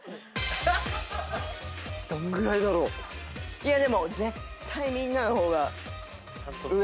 いやでも絶対みんなの方が上だわ。